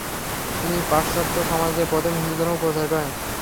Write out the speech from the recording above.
তিনি পাশ্চাত্য সমাজে প্রথম হিন্দুধর্ম প্রচার করেন।